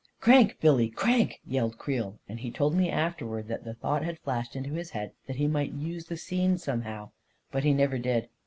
" Crank, Billy, crank I " yelled Creel, and he told me afterwards that the thought had flashed into his head that he might use the scene somehow — but he never did.